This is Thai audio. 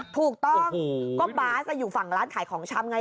ถูกต้องก็บาสอยู่ฝั่งร้านขายของชำไง